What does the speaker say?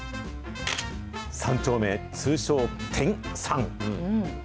３丁目、通称、天三。